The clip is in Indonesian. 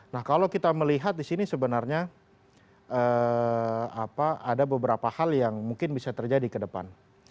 nah kalau kita melihat di sini sebenarnya ada beberapa hal yang mungkin bisa terjadi ke depan